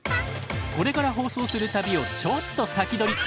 これから放送する旅をちょっと先取り。